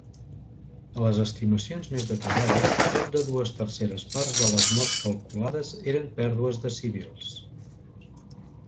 A les estimacions més detallades, prop de dues terceres parts de les morts calculades eren pèrdues de civils.